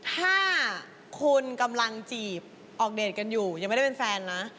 ถ้าคุณกำลังจีบออกเดทกันอยู่ยังไม่ได้เป็นแฟนนะ